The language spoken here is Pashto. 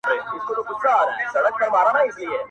زما خوښي د ښار د ښكلو په خنـــــدا كــــي اوســــــــي.